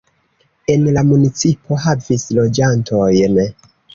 En la municipo havis loĝantojn.